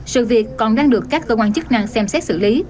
sự việc còn đang được các cơ quan chức năng xem xét xử lý